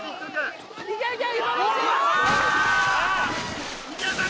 いけいけ